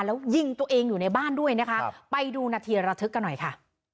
แล้วยิงตัวเองอยู่ในบ้านด้วยนะคะไปดูนาทีระทึกกันหน่อยค่ะ